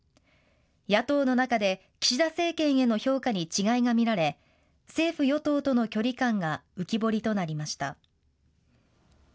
野党の中で岸田政権への評価に違いが見られ、政府・与党との距離感が浮き彫りとなりました。